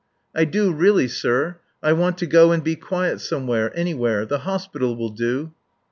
"I do really, sir. I want to go and be quiet somewhere. Anywhere. The hospital will do."